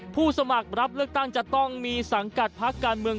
ผู้สมัครรับเลือกตั้งจะต้องมีสังกัดพักการเมือง